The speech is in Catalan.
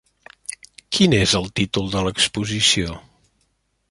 Quin és el títol de l'exposició?